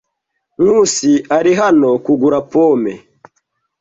Nkusi ari hano kugura pome.